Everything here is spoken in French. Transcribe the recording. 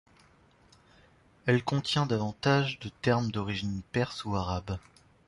Elle contient davantage de termes d'origine perse ou arabe.